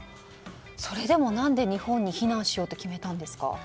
それでも何で日本に避難しようと決めたんですか。